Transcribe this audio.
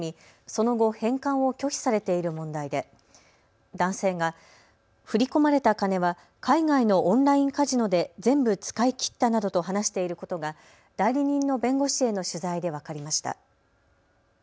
その後、返還を拒否されている問題で男性が振り込まれた金は海外のオンラインカジノで全部使い切ったなどと話していることが代理人の弁護士への取材で分かりました。